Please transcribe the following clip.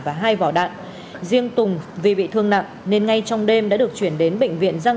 và hai vỏ đạn riêng tùng vì bị thương nặng nên ngay trong đêm đã được chuyển đến bệnh viện giang